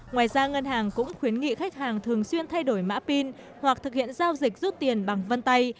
ngoài ra ngân hàng cũng khuyến nghị khách hàng thường xuyên thay đổi mã pin hoặc thực hiện giao dịch rút tiền bằng vân tay